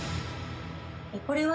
これは。